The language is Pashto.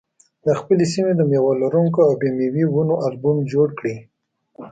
د خپلې سیمې د مېوه لرونکو او بې مېوې ونو البوم جوړ کړئ.